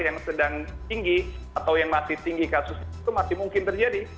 yang sedang tinggi atau yang masih tinggi kasusnya itu masih mungkin terjadi